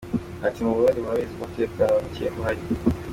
Ati “Mu Burundi murabizi ko umutekano muke uhari.